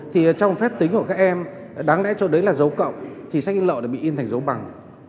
thì trong phép tính của các em đáng lẽ cho đấy là dấu cộng thì sách in lậu lại bị in thành dấu bằng